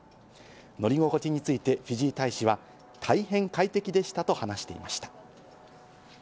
乗り心地についてフィジー大使は、大変快適でしたと話していました。